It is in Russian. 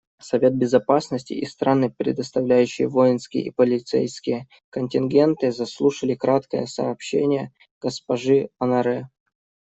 Совет Безопасности и страны, предоставляющие воинские и полицейские контингенты, заслушали краткое сообщение госпожи Оноре.